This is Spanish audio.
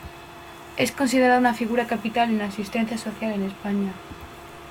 Es considerada una figura capital en la asistencia social en España.